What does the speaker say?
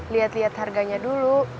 liat liat harganya dulu